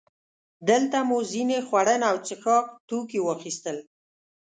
دلته مو ځینې خوړن او څښاک توکي واخیستل.